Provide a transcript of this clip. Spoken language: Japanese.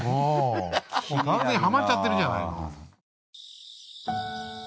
もう完全にハマっちゃってるじゃないの。